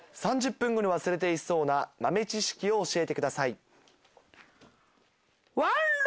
３０分後に忘れていそうな豆知識を教えてください。